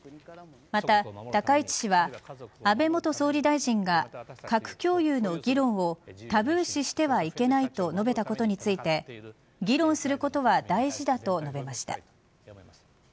また、高市氏は安倍元総理大臣が核共有の議論をタブー視してはいけないと述べたことについて議論することは大事だと述べました。